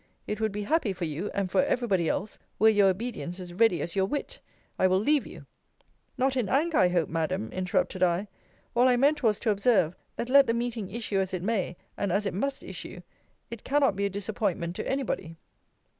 It would be happy for you, and for every body else, were your obedience as ready as your wit. I will leave you Not in anger, I hope, Madam, interrupted I all I meant was, to observe, that let the meeting issue as it may, and as it must issue, it cannot be a disappointment to any body.